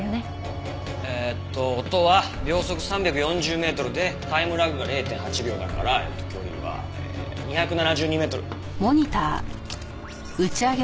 えっと音は秒速３４０メートルでタイムラグが０．８秒だからえっと距離は２７２メートル。